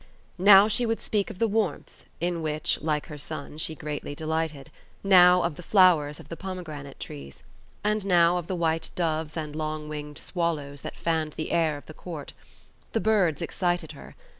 Now she would speak of the warmth, in which (like her son) she greatly delighted; now of the flowers of the pomegranate trees, and now of the white doves and long winged swallows that fanned the air of the court. The birds excited her.